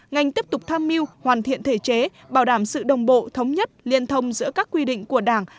ngành tiếp tục tham mưu hoàn thiện thể chế bảo đảm sự đồng bộ thống nhất liên thông giữa các quy định của đảng